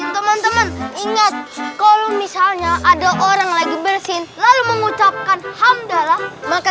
teman teman ingat kalau misalnya ada orang lagi bersin lalu mengucapkan ham dalam maka